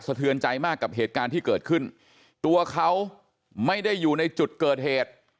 เทือนใจมากกับเหตุการณ์ที่เกิดขึ้นตัวเขาไม่ได้อยู่ในจุดเกิดเหตุ